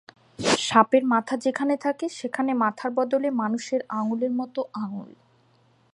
সাপের মাথা যেখানে থাকে সেখানে মাথার বদলে মানুষের আঙুলের মত আঙুল।